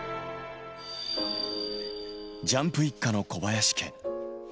ジャンプ一家の小林家。